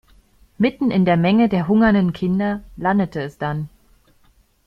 Mitten in der Menge der hungernden Kinder landete es dann.